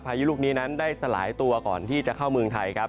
พายุลูกนี้นั้นได้สลายตัวก่อนที่จะเข้าเมืองไทยครับ